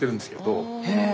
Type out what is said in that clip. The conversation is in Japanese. へえ！